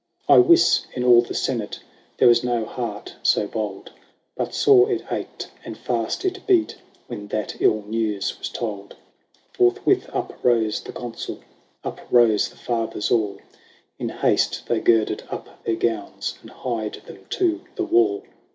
XVIII. I wis, in all the Senate, There was no heart so bold, But sore it ached, and fast it beat. When that ill news was told. Forthwith up rose the Consul, Up rose the Fathers all ; In haste they girded up their gowns. And hied them to the wall. XIX.